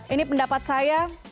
ini pendapat saya